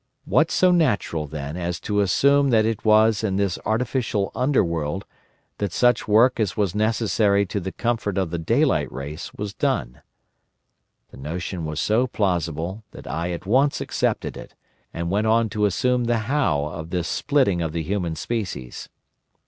What so natural, then, as to assume that it was in this artificial Underworld that such work as was necessary to the comfort of the daylight race was done? The notion was so plausible that I at once accepted it, and went on to assume the how of this splitting of the human species.